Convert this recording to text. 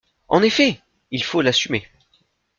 En effet ! Il faut l’assumer.